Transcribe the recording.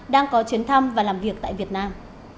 đang có chuyến thăm và làm việc tại việt nam